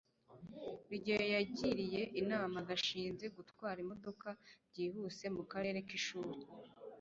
rugeyo yagiriye inama gashinzi kudatwara imodoka byihuse mu karere k'ishuri